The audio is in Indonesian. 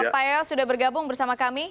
pak yoyo sudah bergabung bersama kami